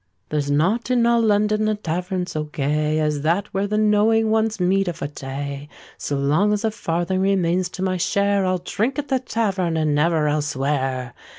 There's not in all London a tavern so gay, As that where the knowing ones meet of a day: So long as a farthing remains to my share, I'll drink at that tavern, and never elsewhere.